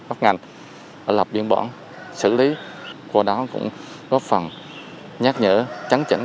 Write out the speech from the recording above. các ngành lập biên bản xử lý qua đó cũng góp phần nhắc nhở chắn chẳng